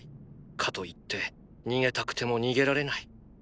かといって逃げたくても逃げられない。